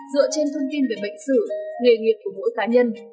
dựa trên thông tin về bệnh sử nghề nghiệp của mỗi cá nhân